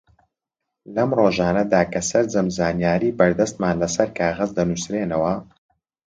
لەم ڕۆژانەدا کە سەرجەم زانیاری بەردەستمان لەسەر کاغەز دەنووسرێنەوە